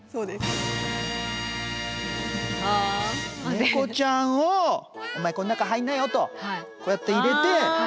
猫ちゃんを「お前こん中入んなよ」とこうやって入れて。